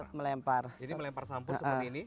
jadi melempar sampul seperti ini